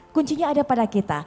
kuncinya ada pada kita